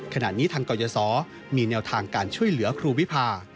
ขณะนี้ทางกรยศมีแนวทางการช่วยเหลือครูวิพา